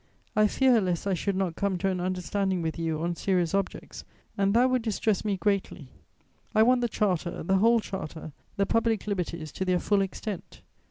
I fear lest I should not come to an understanding with you on serious objects, and that would distress me greatly! I want the Charter, the whole Charter, the public liberties to their full extent.